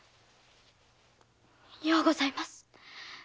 ようございます。